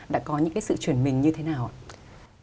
đã có những cái sự chuyển mình như thế nào ạ